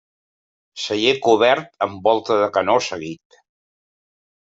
Celler cobert amb volta de canó seguit.